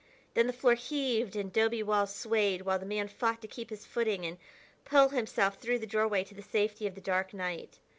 Then the floor heaved and 'dobe walls swayed while the man fought to keep his footing and pull himself through the doorway to the safety of the dark night.